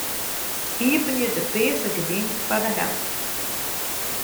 Iepenje de pearse gerdinen foar de helte.